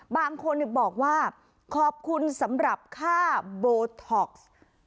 บางคนบอกว่าขอบคุณสำหรับค่าโบท็อกซ์